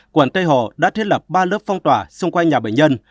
quận tây hồ đã thiết lập ba lớp phong tỏa xung quanh nhà bệnh nhân